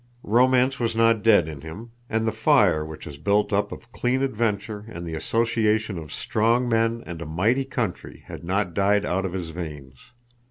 Romance was not dead in him, and the fire which is built up of clean adventure and the association of strong men and a mighty country had not died out of his veins.